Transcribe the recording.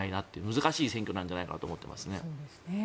難しい選挙になるんじゃないかなと思ってますね。